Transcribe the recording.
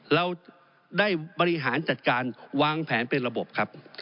เราได้บริหารจัดการวางแผนเป็นระบบครับ